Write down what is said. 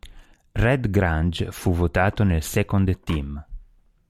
Red Grange fu votato nel second team.